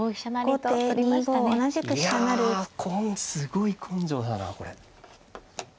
いやすごい根性だなこれ。